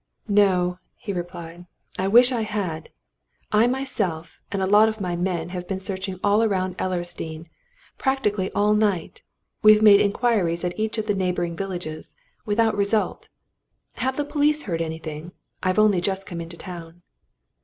"No!" he replied. "I wish I had! I myself and a lot of my men have been searching all round Ellersdeane practically all night. We've made inquiries at each of the neighbouring villages without result. Have the police heard anything? I've only just come into town."